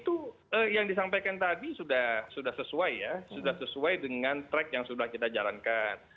itu yang disampaikan tadi sudah sesuai ya sudah sesuai dengan track yang sudah kita jalankan